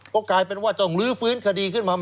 ก็กลายเป็นว่าต้องลื้อฟื้นคดีขึ้นมา